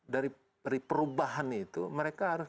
dari perubahan itu mereka harus